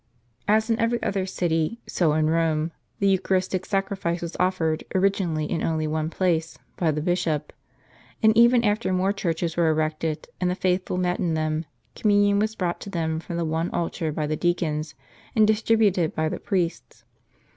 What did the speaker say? As in every other city, so in Rome, the eucharistic sacri fice was offered originally in only one place, by the bishop. And even after more churches were erected, and the faithful met in them, communion was brought to them from the one altar by the deacons, and distributed by the priests.